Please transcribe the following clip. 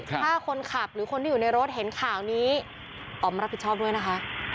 ถ้าคนขับหรือคนที่อยู่ในรถเห็นข่าวนี้ออกมารับผิดชอบด้วยนะคะ